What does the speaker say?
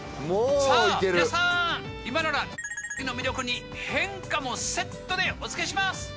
「さあ皆さん今なら○○の魅力に変化もセットでお付けします！